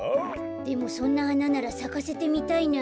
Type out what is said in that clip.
でもそんなはなならさかせてみたいなあ。